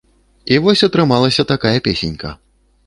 І вось атрымалася такая песенька.